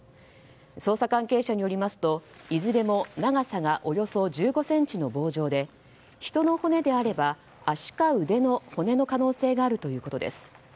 捜査関係者によりますといずれも長さがおよそ１５ｃｍの棒状で人の骨であれば足か腕の骨の可能性があるということです。